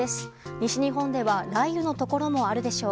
西日本では雷雨のところもあるでしょう。